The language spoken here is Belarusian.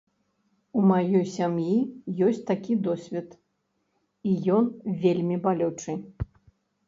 У маёй сям'і ёсць такі досвед, і ён вельмі балючы.